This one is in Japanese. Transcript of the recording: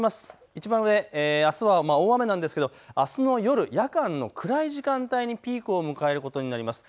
いちばん上あすは大雨なんですがあすの夜、夜間の暗い時間帯にピークを迎えることになります。